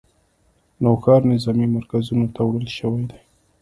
نوښار نظامي مرکزونو ته وړل شوي دي